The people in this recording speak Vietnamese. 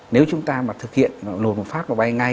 nếu chúng ta mà thực hiện lột một phát nó bay ngay